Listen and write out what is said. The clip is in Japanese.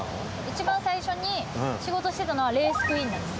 一番最初に仕事してたのはレースクイーンなんですよ。